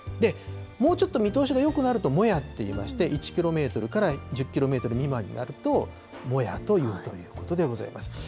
もうちょっと見通しがよくなると、もやって言いまして、１キロメートルから１０キロメートル未満になると、もやということでございます。